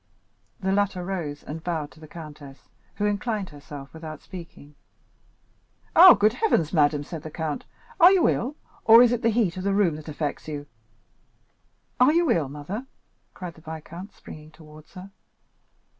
The latter rose and bowed to the countess, who inclined herself without speaking. "Ah! good heavens, madame," said the count, "are you ill, or is it the heat of the room that affects you?" "Are you ill, mother?" cried the viscount, springing towards her.